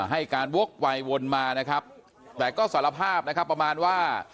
ให้การวกไปวนมานะครับแต่ก็สารภาพนะครับประมาณว่า